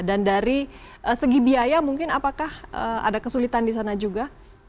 dan dari segi biaya mungkin apakah ada kesulitan disana juga